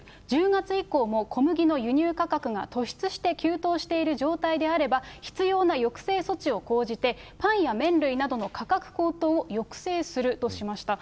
１０月以降も小麦の輸入価格が突出して急騰している状態であれば、必要な抑制措置を講じて、パンや麺類などの価格高騰を抑制するとしました。